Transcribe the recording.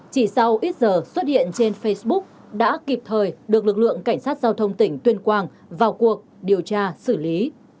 chỉ sau ít giờ xuất hiện trên facebook đã kịp thời được lực lượng cảnh sát giao thông tỉnh tuyên quang vào cuộc điều tra xử lý